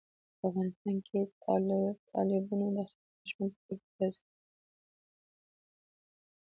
په افغانستان کې تالابونه د خلکو د ژوند په کیفیت تاثیر کوي.